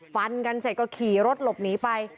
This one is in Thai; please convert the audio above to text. ฟันกันเสร็จก็ขี่รถหลบหนีไป